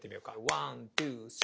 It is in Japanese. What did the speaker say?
ワントゥースリー。